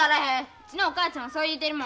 うちのお母ちゃんはそう言うてるもん。